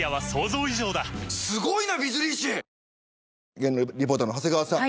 芸能リポーターの長谷川さん